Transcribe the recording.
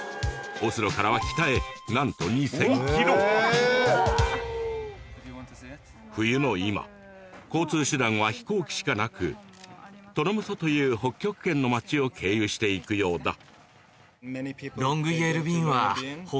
オスロからは北へなんと２，０００ｋｍ冬の今交通手段は飛行機しかなくトロムソという北極圏の町を経由していくようだ